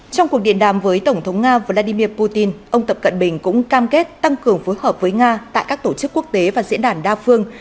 trong cuộc điện đàm với tổng thống nga vladimir putin ông tập cận bình cũng cam kết tăng cường phối hợp với nga tại các tổ chức quốc tế và diễn đàn đa phương